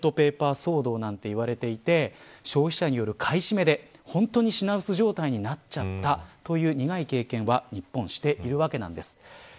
トイレットペーパー騒動なんて言われていて消費者による買い占めで本当に品薄状態になってしまった苦い経験は日本はしているわけです。